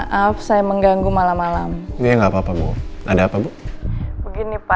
tapi mungkin aku mau cari ke rumah orang tuanya dulu